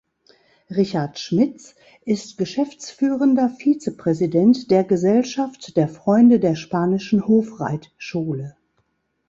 Richard Schmitz ist Geschäftsführender Vizepräsident der „Gesellschaft der Freunde der Spanischen Hofreitschule“.